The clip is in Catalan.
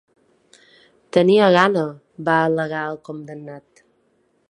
Tenia gana, va al·legar el condemnat.